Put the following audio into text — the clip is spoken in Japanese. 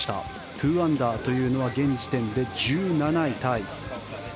２アンダーというのは現時点で１７位タイ。